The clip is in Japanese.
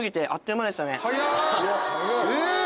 えっ！